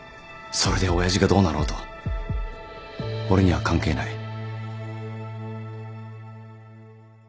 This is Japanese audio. それで親父がどうなろうと俺には関係ない。